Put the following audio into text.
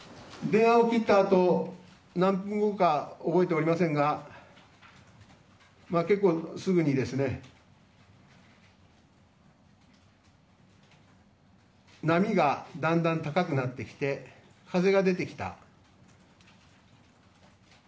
電話を切ったあと何分後かは覚えていませんが結構、すぐに波がだんだん高くなってきて風が出てきた。